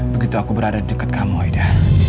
begitu aku berada dekat kamu aida